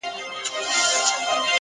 هره ورځ د اغېزمن ژوند فرصت لري